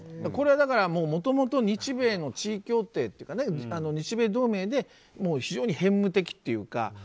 これは、もともと日米の地位協定というか日米同盟で非常に片務的というか。